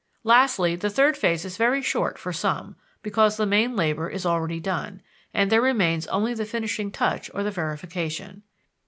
Lastly, the third phase is very short for some, because the main labor is already done, and there remains only the finishing touch or the verification.